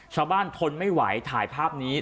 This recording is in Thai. ชาวบ้านทนไม่ไหวถ่ายภาพนี้